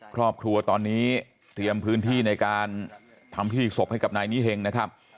ครอบครัวตอนนี้เตรียมพื้นที่ในการทำพิธีศพให้กับนายนี้เฮงนะครับ